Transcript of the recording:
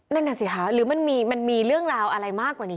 นั่นน่ะสิคะหรือมันมีเรื่องราวอะไรมากกว่านี้